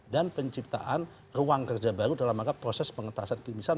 dan penciptaan ruang kerja baru dalam rangka proses pengetahuan kelimisan